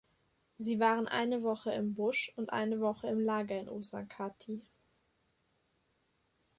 Sie waren eine Woche im Busch und eine Woche im Lager in Oshakati.